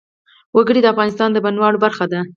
وګړي د افغانستان د بڼوالۍ برخه ده.